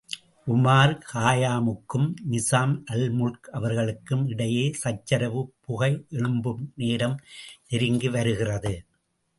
உமார் கயாமுக்கும், நிசாம் அல்முல்க் அவர்களுக்கும் இடையே சச்சரவுப் புகையெழும்பும் நேரம் நெருங்கி வருகிறது.